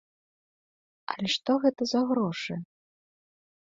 Але што гэта за грошы!?